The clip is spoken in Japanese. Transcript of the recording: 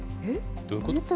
どういうこと。